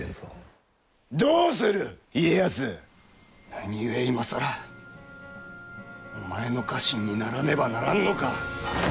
何故今更お前の家臣にならねばならんのか！